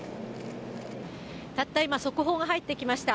たった今、速報が入ってきました。